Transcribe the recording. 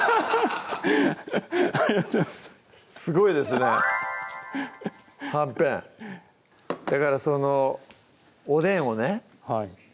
ありがとうございますすごいですねはんぺんだからそのおでんをねはい